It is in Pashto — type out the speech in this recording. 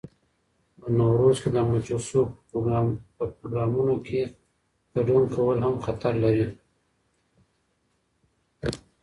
په نوروز کي د مجوسو په پروګرامونو کي ګډون کول هم خطر لري.